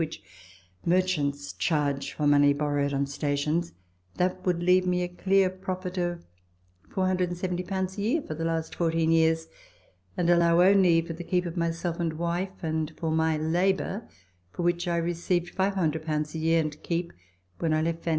which merchants charge for money borrowed on stations, that would leave me a clear profit of 470 a year for the last fourteen years and allow only for the keep of myself and wife and for my labour, for which I received 500 a year and keep when I left V. D.